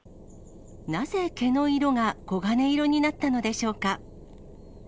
なぜ、毛の色が黄金色になったのでしょうか。